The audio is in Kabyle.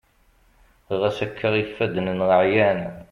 ɣas akka ifadden-nneɣ ɛyan